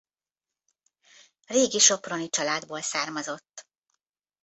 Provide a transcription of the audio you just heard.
Régi soproni családból származott.